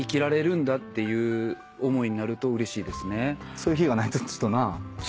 そういう日がないとちょっとな。